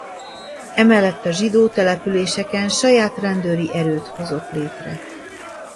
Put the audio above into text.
Emellett a zsidó településeken saját rendőri erőt hozott létre.